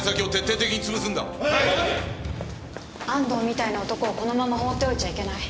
安藤みたいな男をこのまま放っておいちゃいけない。